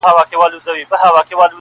د مکار دښمن په کور کي به غوغا سي!.